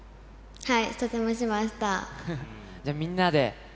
はい。